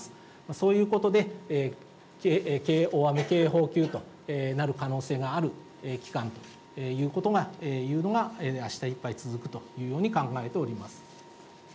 そういうことで、大雨警報級となる可能性がある期間というのがあしたいっぱい続くというように考えております。